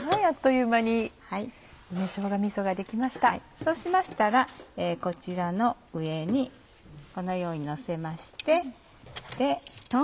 そうしましたらこちらの上にこのようにのせまして。